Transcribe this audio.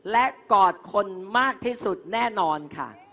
และกอดคนมากที่สุดแน่นอนค่ะ